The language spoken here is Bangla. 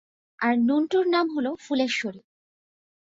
আর নুন্টুর নাম হল ফুলেশ্বরী।